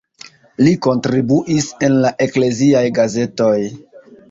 Li kontribuis en la ekleziaj gazetoj.